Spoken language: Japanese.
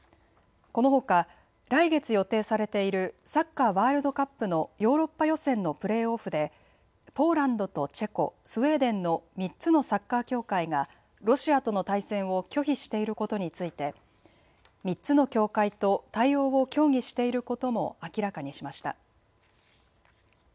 このほか来月予定されているサッカーワールドカップのヨーロッパ予選のプレーオフでポーランドとチェコ、スウェーデンの３つのサッカー協会がロシアとの対戦を拒否していることについて３つの協会と対応を協議していることも明らかにしました。